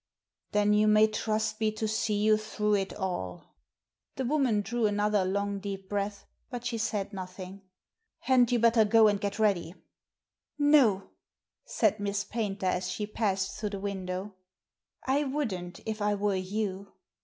"Then you may trust me to see you through it all." The woman drew another long deep breath, but she said nothing. " Hadn't you better go and get ready?" '* No," said Miss Paynter, as she passed through the window. " I wouldn't if I were you."